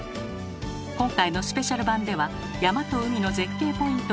今回のスペシャル版では山と海の絶景ポイントで釣りに挑みます。